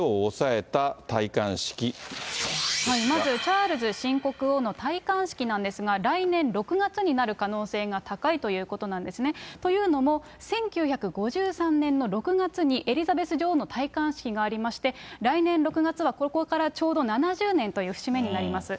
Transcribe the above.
まず、チャールズ新国王の戴冠式なんですが、来年６月になる可能性が高いということなんですね。というのも、１９５３年の６月にエリザベス女王の戴冠式がありまして、来年６月はここからちょうど７０年という節目になります。